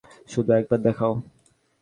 শুধু একবার দেখাও!